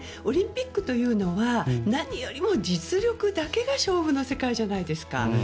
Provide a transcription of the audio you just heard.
オリンピックというのは何よりも実力だけが勝負の世界じゃないですか。